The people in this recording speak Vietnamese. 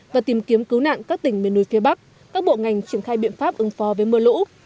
và tìm kiếm cứu nạn các tỉnh miền núi phía bắc các bộ ngành triển khai biện pháp ứng phó với mưa lũ